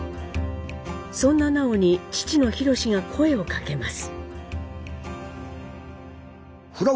そんな南朋に父の宏が声をかけます。